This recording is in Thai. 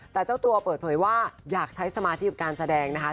แต่เจ้าตัวเปิดเผยว่าอยากใช้สมาธิกับการแสดงนะคะ